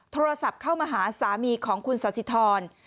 โทรศัพท์เข้ามาหาสามีของคุณสาธิธร